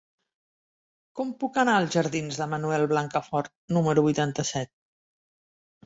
Com puc anar als jardins de Manuel Blancafort número vuitanta-set?